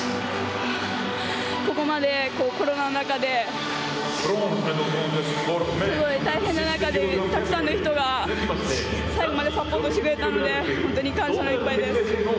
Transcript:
ここまでコロナの中ですごい大変な中でたくさんの人が最後までサポートしてくれたので感謝でいっぱいです。